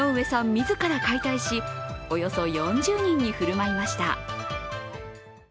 自ら解体しおよそ４０人に振る舞いました。